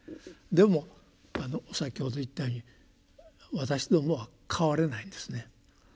でも先ほど言ったように私どもは変われないんですね。